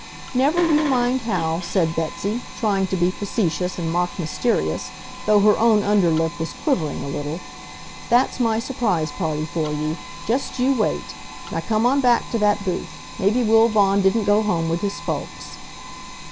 "Never you mind how," said Betsy, trying to be facetious and mock mysterious, though her own under lip was quivering a little. "That's my surprise party for you. Just you wait. Now come on back to that booth. Maybe Will Vaughan didn't go home with his folks."